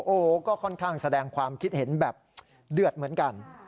โอ้โหก็ค่อนข้างแสดงความคิดเห็นแบบเดือดเหมือนกัน